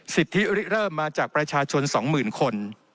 สิทธิริเริ่มมาจากประชาชน๒๐๐๐คน